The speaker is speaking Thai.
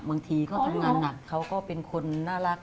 บางทีเขาทำงานหนักเขาก็เป็นคนน่ารัก